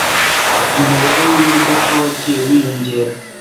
Umubare wimodoka wagiye wiyongera.